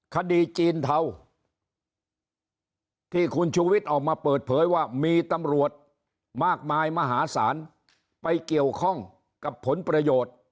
คดีจีนเทาที่คุณชูวิทย์ออกมาเปิดเผยว่ามีตำรวจมากมายมหาศาลไปเกี่ยวข้องกับผลประโยชน์